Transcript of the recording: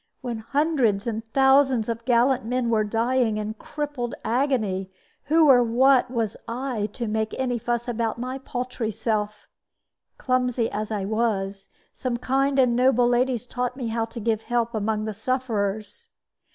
When hundreds and thousands of gallant men were dying in crippled agony, who or what was I to make any fuss about my paltry self? Clumsy as I was, some kind and noble ladies taught me how to give help among the sufferers.